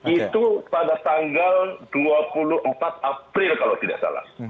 itu pada tanggal dua puluh empat april kalau tidak salah